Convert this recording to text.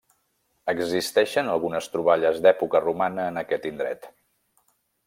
Existeixen algunes troballes d'època romana en aquest indret.